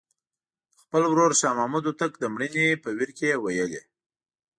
د خپل ورور شاه محمود هوتک د مړینې په ویر کې یې ویلي.